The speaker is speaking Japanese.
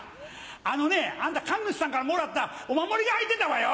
あのねあんた神主さんからもらったお守りが入ってたわよ！